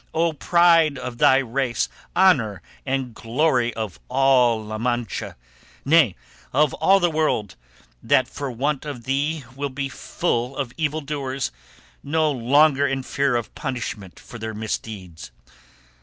Oh pride of thy race, honour and glory of all La Mancha, nay, of all the world, that for want of thee will be full of evil doers, no longer in fear of punishment for their misdeeds!